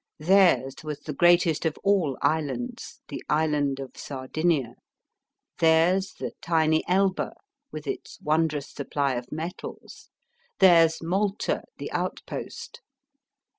Theirs was the greatest of all islands, the island of Sardinia; theirs the tiny Elba, with its won drous supply of metals ; theirs Malta, the outpost.